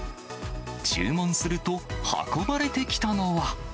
注文すると、運ばれてきたのは。